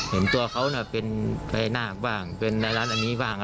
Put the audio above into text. เห็นตัวเขาเป็นใบหน้าบ้างเป็นในร้านอันนี้บ้าง